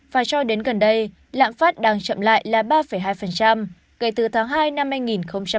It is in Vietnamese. và cho đến gần đây lãng phát đang chậm lại là ba hai kể từ tháng hai năm hai nghìn hai mươi